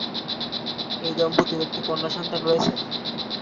এই দম্পতির একটি কন্যা সন্তান রয়েছে।